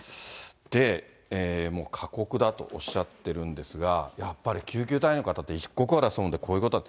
で、過酷だとおっしゃってるんですが、やっぱり救急隊員の方って、一刻を争うんで、こういうことがある。